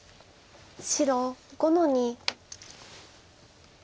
白５の二。